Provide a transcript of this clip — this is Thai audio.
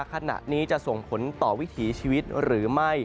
ขณะนี้จะส่งผลต่อวิถีชีวิตหรือไม่